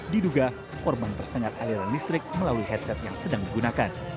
diduga korban tersengat aliran listrik melalui headset yang sedang digunakan